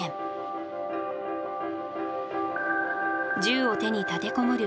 銃を手に立てこもる